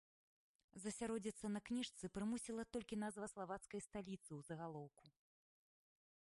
Засяродзіцца на кніжцы прымусіла толькі назва славацкай сталіцы ў загалоўку.